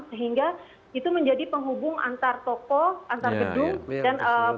sehingga itu menjadi penghubung antar toko antar gedung dan